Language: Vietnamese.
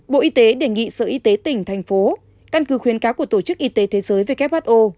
bộ y tế đề nghị sở y tế tỉnh thành phố căn cứ khuyến cáo của tổ chức y tế thế giới who